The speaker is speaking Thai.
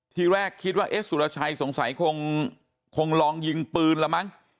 ทีแรกคิดว่าเอ๊ะสุรชัยสงสัยคงลองยิงปืนละมั้ง